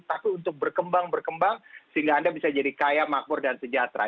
tapi untuk berkembang berkembang sehingga anda bisa jadi kaya makmur dan sejahtera